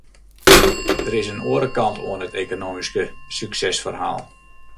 Der is in oare kant oan it ekonomysk suksesferhaal.